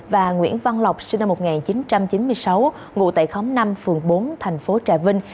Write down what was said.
và nguyễn văn lộc sinh năm một nghìn chín trăm chín mươi sáu ngụ tại khóm năm phường bốn thành phố trà vinh